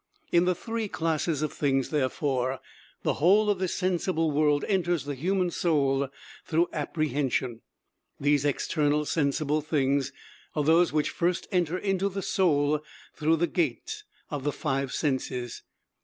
In the three classes of things, therefore, the whole of this sensible world enters the human soul through apprehension. These external sensible things are those which first enter into the soul through the gates of the five senses.